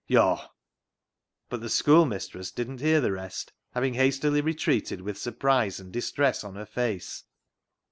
Yo'"— But the schoolmistress didn't hear the rest, having hastily retreated with surprise and dis tress on her face.